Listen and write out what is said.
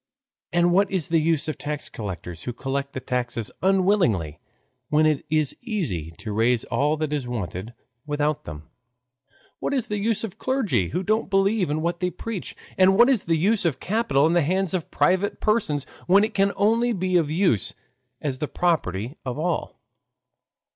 And what is the use of tax collectors who collect the taxes unwillingly, when it is easy to raise all that is wanted without them? What is the use of the clergy, who don't believe in what they preach? And what is the use of capital in the hands of private persons, when it can only be of use as the property of all?